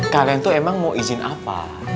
kalian tuh emang mau izin apa